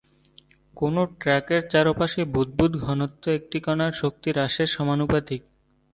কোনও ট্র্যাকের চারপাশে বুদবুদ ঘনত্ব একটি কণার শক্তি হ্রাসের সমানুপাতিক।